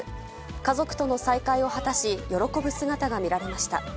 家族との再会を果たし、喜ぶ姿が見られました。